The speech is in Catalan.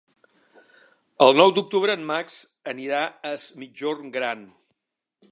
El nou d'octubre en Max anirà a Es Migjorn Gran.